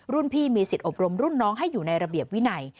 พี่มีสิทธิอบรมรุ่นน้องให้อยู่ในระเบียบวินัย